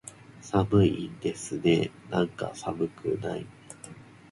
寒いですねーなんか、寒くない？